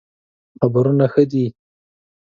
خبرونه ښه دئ